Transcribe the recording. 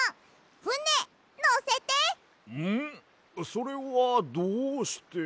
それはどうして。